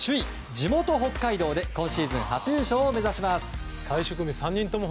地元・北海道で今シーズン初優勝を目指します。